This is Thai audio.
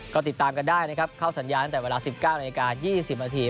ก็ติดตามกันได้นะครับเข้าสัญญาณตั้งแต่เวลา๑๙นาฬิกา๒๐นาที